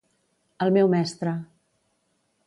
El meu mestre.